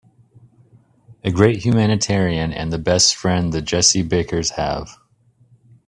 A great humanitarian and the best friend the Jessie Bakers have.